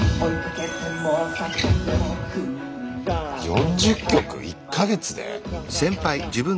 ４０曲⁉１か月で⁉え。